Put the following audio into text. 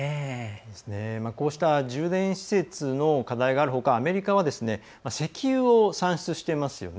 こうした充電施設の課題があるほかアメリカは石油を産出していますよね。